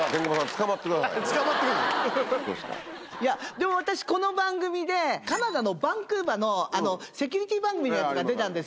でも私この番組でカナダのバンクーバーのセキュリティー番組のやつが出たんです。